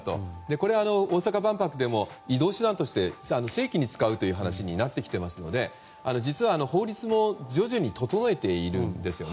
これは大阪万博でも移動手段として正規に使うという話になってきていますので実は、法律も徐々に整えているんです。